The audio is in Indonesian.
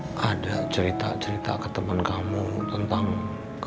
apa sih tadi dipersen acara melaluiativas rolling magnet itu brute token jadi apakah